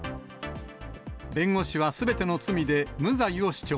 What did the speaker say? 弁護士はすべての罪で無罪を主張。